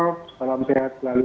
selamat siang selalu